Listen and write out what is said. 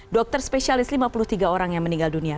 dokter spesialis lima puluh tiga orang yang meninggal dunia